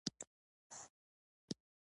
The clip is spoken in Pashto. خو چورت يې وهه چې په پروفيسر يې څنګه ومني.